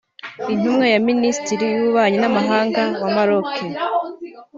Intumwa ya Minisitiri w’Ububanyi n’Amahanga wa Maroc